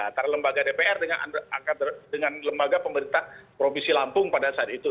antara lembaga dpr dengan lembaga pemerintah provinsi lampung pada saat itu